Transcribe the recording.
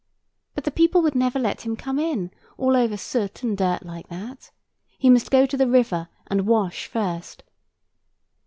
But the people would never let him come in, all over soot and dirt like that. He must go to the river and wash first.